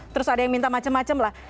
terus ada yang minta macem macem lah